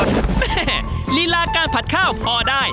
แม่ลีลาการผัดข้าวพอได้